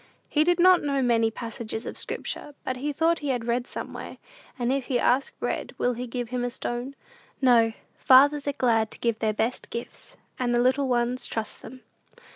He did not know many passages of Scripture, but thought he had read somewhere, "And if he ask bread, will he give him a stone?" No; fathers are glad to give their "best gifts," and the little ones trust them.